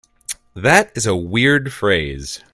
That is a weird phrase.